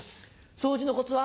掃除のコツは？